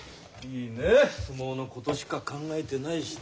いいね相撲のことしか考えてない人は。